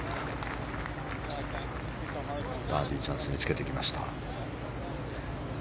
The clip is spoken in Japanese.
バーディーチャンスにつけてきました。